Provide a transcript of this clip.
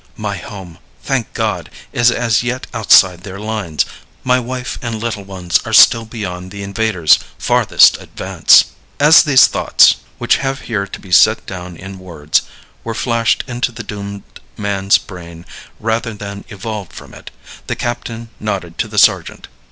My home, thank God, is as yet outside their lines; my wife and little ones are still beyond the invader's farthest advance." As these thoughts, which have here to be set down in words, were flashed into the doomed man's brain rather than evolved from it, the captain nodded to the sergeant.